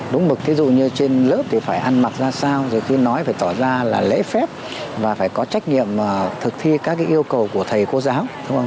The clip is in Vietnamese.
đúng mực ví dụ như trên lớp thì phải ăn mặc ra sao rồi khi nói phải tỏ ra là lễ phép và phải có trách nhiệm thực thi các yêu cầu của thầy cô giáo